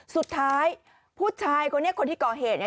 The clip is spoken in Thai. สุดท้ายผู้ชายคนนี้คนที่ก่อเหตุเนี่ย